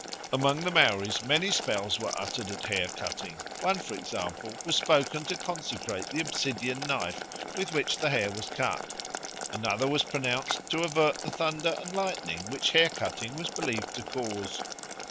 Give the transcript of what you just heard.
Amongst the Maoris many spells were uttered at hair cutting; one, for example, was spoken to consecrate the obsidian knife with which the hair was cut; another was pronounced to avert the thunder and lightning which hair cutting was believed to cause.